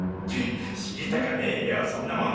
知りたかねよそんなもん。